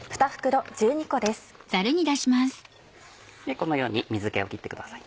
このように水気を切ってください。